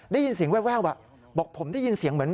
ได้ยินเสียงแววบอกผมได้ยินเสียงเหมือน